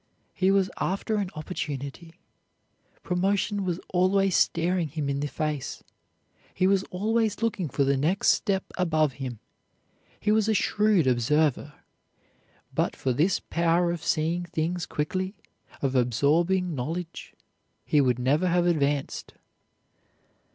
He was after an opportunity. Promotion was always staring him in the face. He was always looking for the next step above him. He was a shrewd observer. But for this power of seeing things quickly, of absorbing knowledge, he would never have advanced.